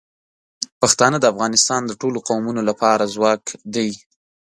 پښتانه د افغانستان د ټولو قومونو لپاره ځواک دي.